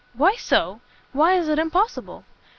"Why so? why is it impossible?"